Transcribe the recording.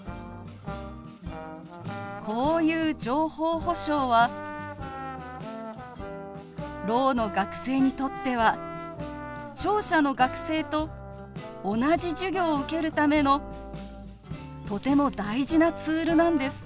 こういう情報保障はろうの学生にとっては聴者の学生と同じ授業を受けるためのとても大事なツールなんです。